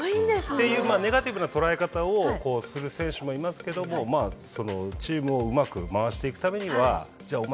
っていうネガティブな捉え方をする選手もいますけどもそのチームをうまく回していくためにはじゃあお前